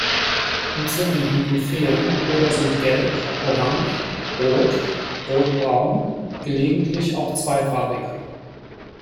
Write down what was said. Die Zungenblüten fehlen oder sind gelb, orange, rot, rot-braun, gelegentlich auch zweifarbig.